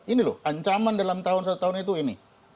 ini loh ancaman dalam tahun satu tahun itu ini